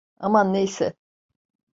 Aman neyse.